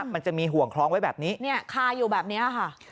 มันจะมีห่วงคล้องไว้แบบนี้คาอยู่แบบนี้ค่ะ